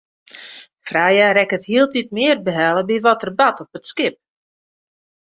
Freya rekket hieltyd mear behelle by wat der bart op it skip.